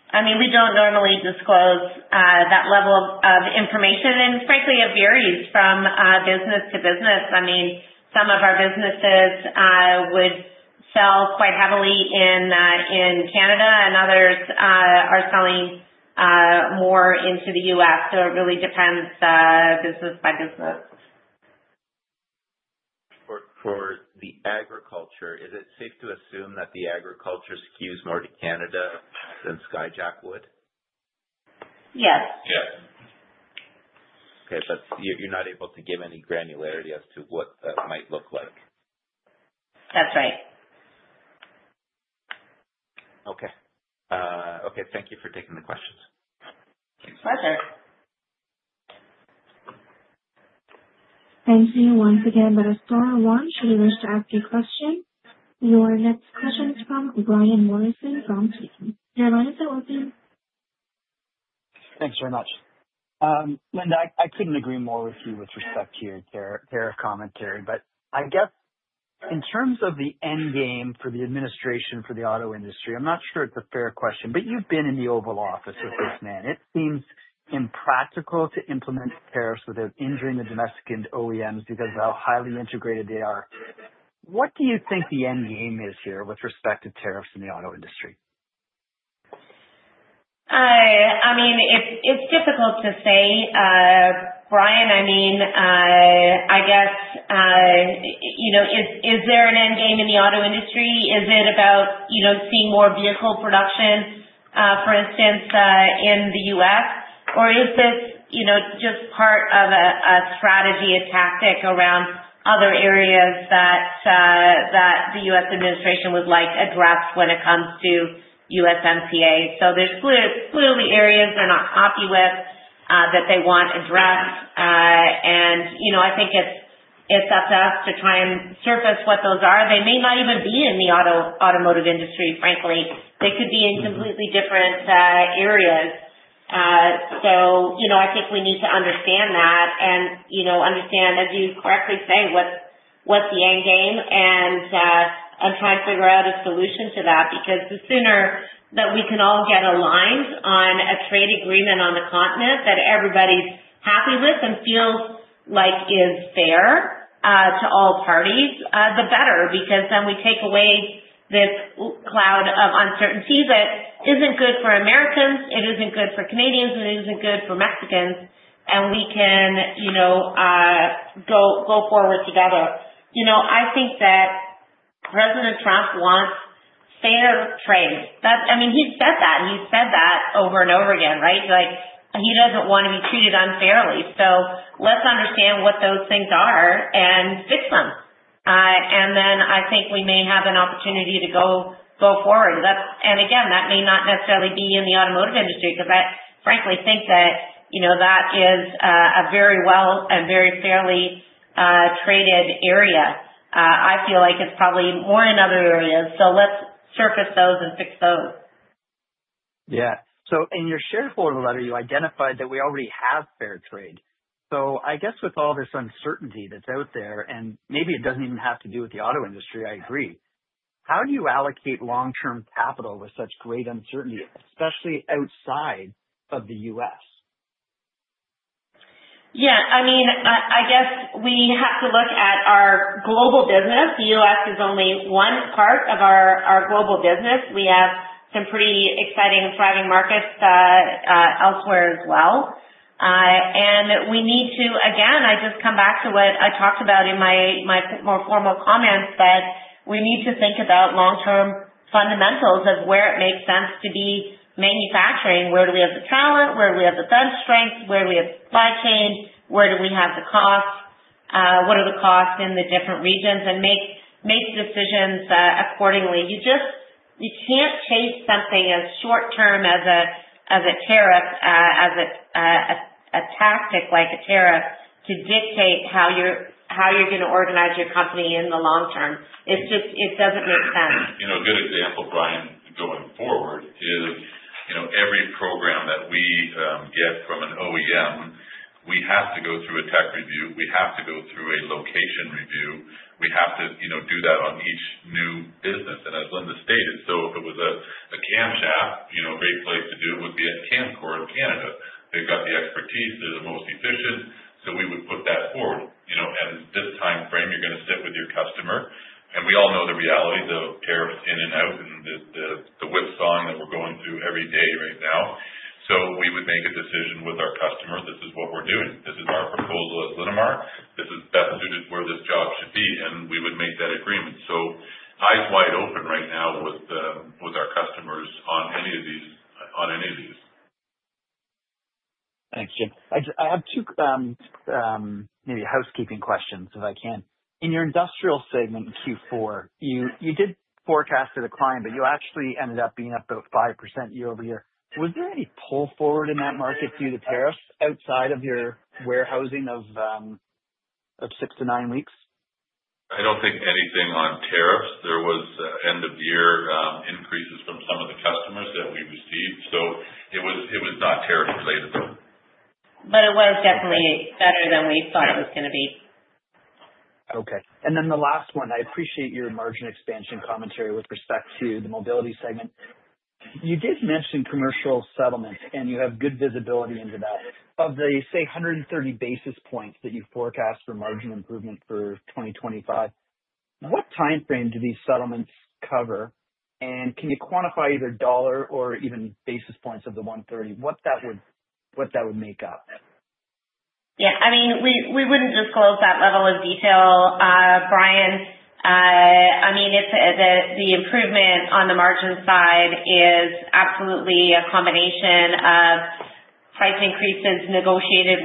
I mean, we don't normally disclose that level of information, and frankly, it varies from business to business. I mean, some of our businesses would sell quite heavily in Canada, and others are selling more into the US, so it really depends business by business. For the agriculture, is it safe to assume that the agriculture skews more to Canada than Skyjack would? Yes. Yes. Okay, but you, you're not able to give any granularity as to what that might look like? That's right. Okay. Okay, thank you for taking the questions. My pleasure. Thank you once again. But I still want, should you wish to ask your question. Your next question is from Brian Morrison from TD Securities. Your line is open. Thanks very much. Linda, I couldn't agree more with you with respect to your tariff, tariff commentary, but I guess in terms of the end game for the administration, for the auto industry, I'm not sure it's a fair question, but you've been in the Oval Office with this man. It seems impractical to implement tariffs without injuring the domestic and OEMs because of how highly integrated they are. What do you think the end game is here with respect to tariffs in the auto industry? I mean, it's difficult to say, Brian. I mean, I guess, you know, is there an end game in the auto industry? Is it about, you know, seeing more vehicle production, for instance, in the U.S.? Or is this, you know, just part of a strategy, a tactic around other areas that the U.S. administration would like addressed when it comes to USMCA? So there's clearly areas they're not happy with that they want addressed, and, you know, I think it's up to us to try and surface what those are. They may not even be in the automotive industry, frankly. They could be in completely different areas. So, you know, I think we need to understand that and, you know, understand, as you correctly say, what's the end game, and try and figure out a solution to that. Because the sooner that we can all get aligned on a trade agreement on the continent that everybody's happy with and feels like is fair, to all parties, the better, because then we take away this whole cloud of uncertainty that isn't good for Americans, it isn't good for Canadians, and it isn't good for Mexicans, and we can, you know, go forward together. You know, I think that President Trump wants fairer trade. That's—I mean, he's said that, and he's said that over and over again, right? Like, he doesn't want to be treated unfairly, so let's understand what those things are and fix them. And then I think we may have an opportunity to go, go forward. That's... And again, that may not necessarily be in the automotive industry, because I frankly think that, you know, that is, a very well and very fairly, traded area. I feel like it's probably more in other areas, so let's surface those and fix those. Yeah. So in your shareholder letter, you identified that we already have fair trade. So I guess with all this uncertainty that's out there, and maybe it doesn't even have to do with the auto industry, I agree.... How do you allocate long-term capital with such great uncertainty, especially outside of the U.S.? Yeah, I mean, I guess we have to look at our global business. The U.S. is only one part of our, our global business. We have some pretty exciting, thriving markets, elsewhere as well. We need to, again, I just come back to what I talked about in my, my more formal comments, that we need to think about long-term fundamentals of where it makes sense to be manufacturing. Where do we have the talent? Where do we have the best strengths? Where do we have supply chain? Where do we have the costs? What are the costs in the different regions? And make, make decisions, accordingly. You just, you can't chase something as short term as a tariff, as a tactic like a tariff to dictate how you're going to organize your company in the long term. It just, it doesn't make sense. You know, a good example, Brian, going forward is, you know, every program that we get from an OEM, we have to go through a tech review, we have to go through a location review. We have to, you know, do that on each new business, and as Linda stated, so if it was a camshaft, you know, a great place to do it would be at Camcor in Canada. They've got the expertise. They're the most efficient. So we would put that forward. You know, at this time frame, you're going to sit with your customer, and we all know the realities of tariffs in and out, and the whipsaw that we're going through every day right now. So we would make a decision with our customer. This is what we're doing. This is our proposal at Linamar. This is best suited where this job should be, and we would make that agreement. So eyes wide open right now with, with our customers on any of these, on any of these. Thanks, Jim. I have two, maybe housekeeping questions, if I can. In your industrial segment in Q4, you did forecast for the decline, but you actually ended up being up about 5% year-over-year. Was there any pull forward in that market due to tariffs outside of your warehousing of 6-9 weeks? I don't think anything on tariffs. There was end-of-year increases from some of the customers that we received, so it was, it was not tariff related, though. But it was definitely better than we thought it was gonna be. Okay, and then the last one, I appreciate your margin expansion commentary with respect to the mobility segment. You did mention commercial settlements, and you have good visibility into that. Of the, say, 130 basis points that you forecast for margin improvement for 2025, what timeframe do these settlements cover? And can you quantify either dollar or even basis points of the 130, what that would, what that would make up? Yeah, I mean, we wouldn't disclose that level of detail, Brian. I mean, it's the improvement on the margin side is absolutely a combination of price increases negotiated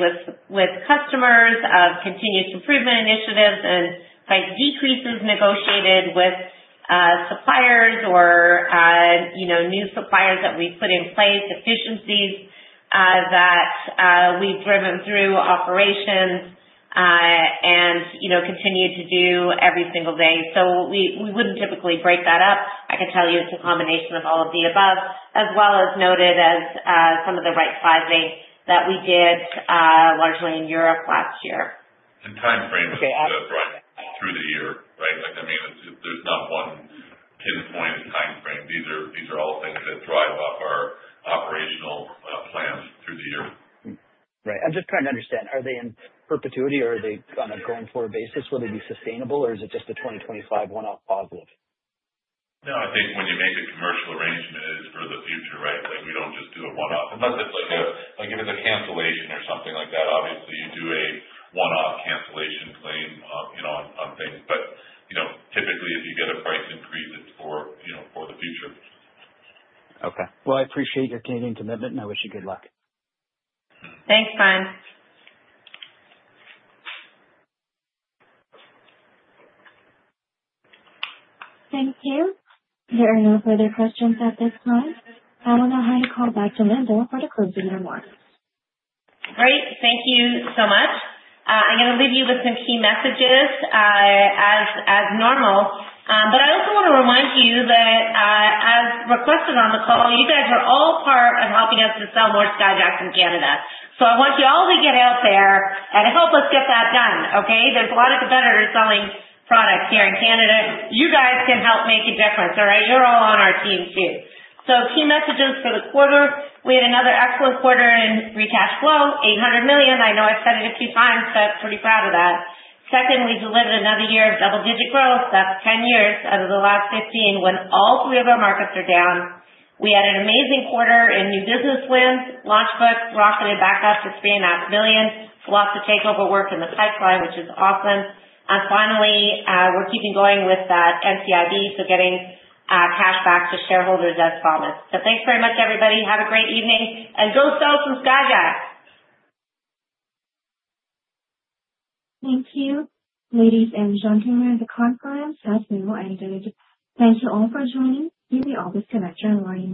with customers, of continuous improvement initiatives and price decreases negotiated with suppliers or, you know, new suppliers that we put in place, efficiencies that we've driven through operations, and, you know, continue to do every single day. So we wouldn't typically break that up. I can tell you it's a combination of all of the above, as well as noted as some of the right sizing that we did, largely in Europe last year. The time frame is right through the year, right? Like, I mean, it's, there's not one pinpoint in time frame. These are, these are all things that drive up our operational plans through the year. Right. I'm just trying to understand, are they in perpetuity or are they on a going-forward basis? Will they be sustainable or is it just a 2025 one-off positive? No, I think when you make a commercial arrangement, it is for the future, right? Like, we don't just do a one-off unless it's like, if it's a cancellation or something like that, obviously you do a one-off cancellation claim, you know, on things. But, you know, typically if you get a price increase, it's for, you know, for the future. Okay. Well, I appreciate your candid commitment, and I wish you good luck. Thanks, Brian. Thank you. There are no further questions at this time. I would now hand the call back to Linda for the closing remarks. Great, thank you so much. I'm gonna leave you with some key messages, as normal. I also want to remind you that, as requested on the call, you guys are all part of helping us to sell more Skyjack in Canada. I want you all to get out there and help us get that done, okay? There's a lot of competitors selling products here in Canada. You guys can help make a difference, all right? You're all on our team too. Key messages for the quarter. We had another excellent quarter in free cash flow, 800 million. I know I've said it a few times, so pretty proud of that. Second, we delivered another year of double-digit growth. That's 10 years out of the last 15, when all 3 of our markets are down. We had an amazing quarter in new business wins. Launch Book rocketed back up to 3.5 million. Lots of takeover work in the pipeline, which is awesome. And finally, we're keeping going with that NCIB, so getting cash back to shareholders as promised. So thanks very much, everybody. Have a great evening and go sell some Skyjack! Thank you. Ladies and gentlemen, the conference has now ended. Thank you all for joining. You may all disconnect your lines.